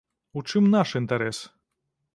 У чым наш інтарэс?